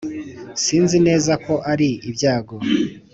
sinzi neza ko ari ibyago